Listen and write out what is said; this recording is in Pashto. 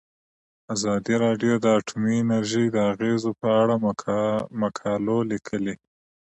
ازادي راډیو د اټومي انرژي د اغیزو په اړه مقالو لیکلي.